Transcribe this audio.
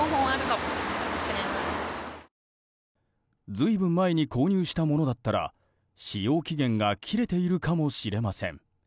随分前に購入したものだったら使用期限が切れているかもしれません。